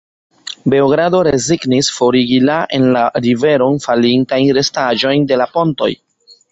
Beogrado rezignis forigi la en la riveron falintajn restaĵojn de la pontoj.